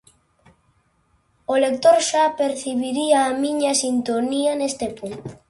O lector xa percibiría a miña sintonía, neste punto.